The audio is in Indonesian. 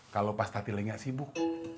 kalau pas tati lagi gak sibuk